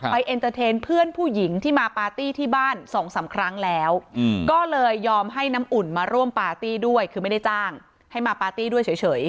เอ็นเตอร์เทนเพื่อนผู้หญิงที่มาปาร์ตี้ที่บ้าน๒๓ครั้งแล้วก็เลยยอมให้น้ำอุ่นมาร่วมปาร์ตี้ด้วยคือไม่ได้จ้างให้มาปาร์ตี้ด้วยเฉย